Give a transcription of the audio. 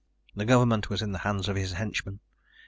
The government was in the hands of his henchmen.